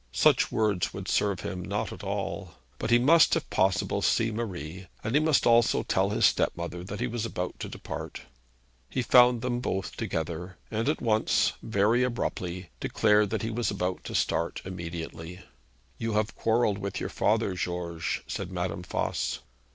Such words would serve him not at all. But he must if possible see Marie, and he must also tell his stepmother that he was about to depart. He found them both together, and at once, very abruptly, declared that he was to start immediately. 'You have quarrelled with your father, George,' said Madame Voss.